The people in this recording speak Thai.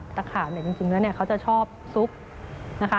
ตะขาบจริงแล้วเขาจะชอบซุก